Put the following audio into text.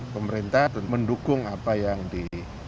pemerintah mendukung apa yang di